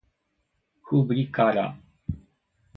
rubricará